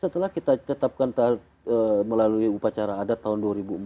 setelah kita tetapkan melalui upacara adat tahun dua ribu empat